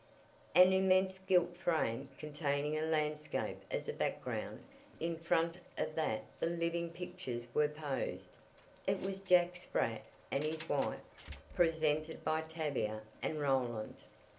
An immense gilt frame, containing a landscape as a background. In front of that the living pictures were posed. It was Jack Spratt and his Wife presented by Tavia and Roland.